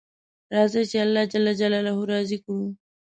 راځئ چې الله جل جلاله راضي کړو